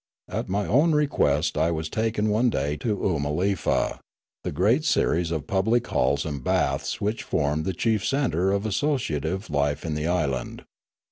At my own request I was taken one day to Oomalefa, the great series of public halls and baths which formed the chief centre of associative life in the island.